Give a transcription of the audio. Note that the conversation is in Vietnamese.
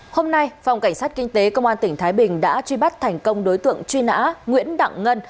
hôm nay phòng cảnh sát kinh tế công an tỉnh thái bình đã truy bắt thành công đối tượng truy nã nguyễn đặng ngân